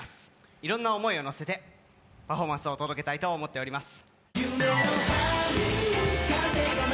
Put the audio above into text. いろんな思いを乗せてパフォーマンスを届けたいと思います。